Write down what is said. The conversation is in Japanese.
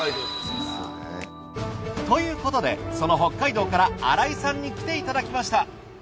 ということでその北海道から新井さんに来ていただきました。